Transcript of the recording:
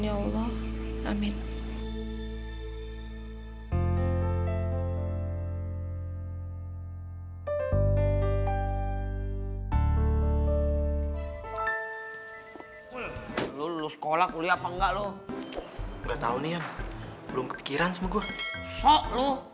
ya allah amin lu sekolah kuliah apa enggak lo enggak tahu nih belum kepikiran sebuah solo